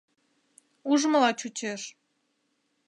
Ужмыла чучеш.